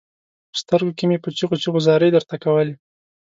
په سترګو کې مې په چيغو چيغو زارۍ درته کولې.